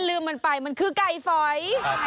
ลืมมันไปมันคือไก่ฝอย